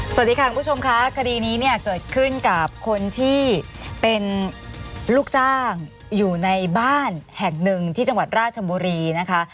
สวัสดีค่ะคุณผู้ชมค่ะคดีนี้เนี่ยเกิดขึ้นกับคนที่เป็นลูกจ้างอยู่ในบ้านแห่งหนึ่งที่จังหวัดราชบุรีนะคะ